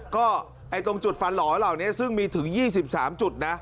ก็ตรงจุดฟันหล่อเหล่านี้ซึ่งมีถึง๒๓จุดนะ